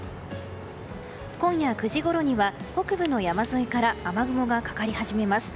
今夜９時ごろには北部の山沿いから雨雲がかかり始めます。